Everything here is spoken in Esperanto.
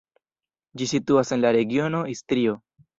Ĝi situas en la regiono Istrio.